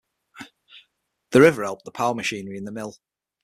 The river helped power machinery in the mill.